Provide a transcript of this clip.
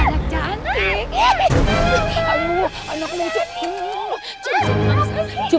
anak cantik anak lucu anakku anakku cantik